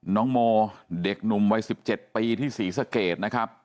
น้องโมเด็กหนุ่มวัยสิบเจ็ดปีที่ศรีษะเกตนะคะ